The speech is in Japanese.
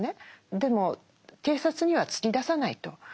でも警察には突き出さないと。